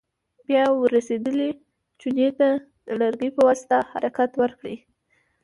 بیا ور رسېدلې چونې ته د لرګي په واسطه حرکت ورکړئ.